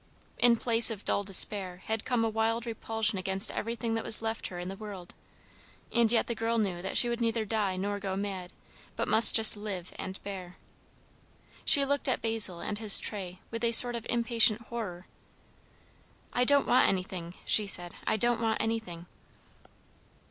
In place of dull despair, had come a wild repulsion against everything that was left her in the world; and yet the girl knew that she would neither die nor go mad, but must just live and bear. She looked at Basil and his tray with a sort of impatient horror. "I don't want anything!" she said. "I don't want anything!"